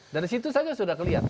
dari situ saja sudah kelihatan